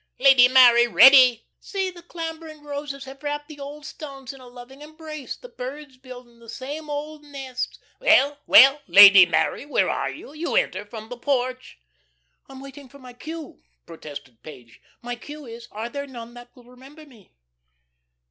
Lady Mary, ready." "'See, the clambering roses have wrapped the old stones in a loving embrace. The birds build in the same old nests '" "Well, well, Lady Mary, where are you? You enter from the porch." "I'm waiting for my cue," protested Page. "My cue is: 'Are there none that will remember me.'"